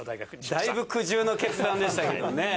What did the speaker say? だいぶ苦渋の決断でしたけどね。